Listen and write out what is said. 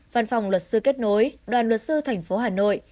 văn phòng luật sư kết nối đoàn luật sư tp hà nội